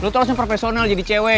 lo tuh harusnya profesional jadi cewek